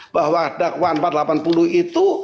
bahwa dakwaan empat ratus delapan puluh itu